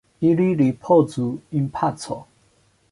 Ili ripozu en paco.